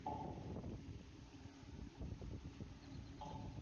The town serves as a service town to surrounding Aboriginal Communities.